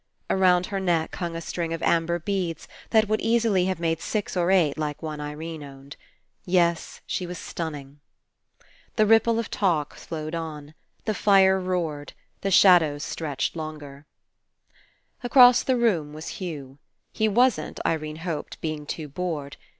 Around her neck hung a string of amber beads that would easily have made six or eight like i68 FINALE one Irene owned. Yes, she was stunning. The ripple of talk flowed on. The fire roared. The shadows stretched longer. Across the room was Hugh. He wasn't, Irene hoped, being too bored.